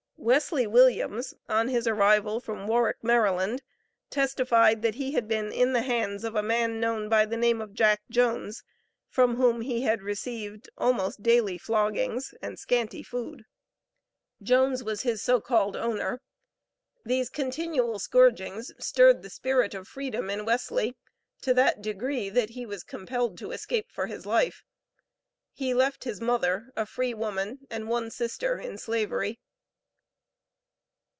Wesley Williams, on his arrival from Warrick, Maryland, testified that he had been in the hands of a man known by the name of Jack Jones, from whom he had received almost daily floggings and scanty food. Jones was his so called owner. These continual scourgings stirred the spirit of freedom in Wesley to that degree, that he was compelled to escape for his life. He left his mother (a free woman), and one sister in Slavery.